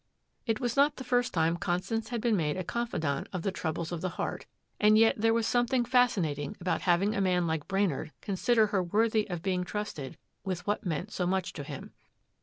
It was not the first time Constance had been made a confidante of the troubles of the heart, and yet there was something fascinating about having a man like Brainard consider her worthy of being trusted with what meant so much to him.